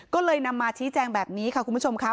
ก็เลยนำมาชี้แจงแบบนี้ค่ะคุณผู้ชมค่ะ